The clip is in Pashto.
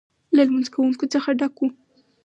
له لمونځ کوونکو څخه ډک و.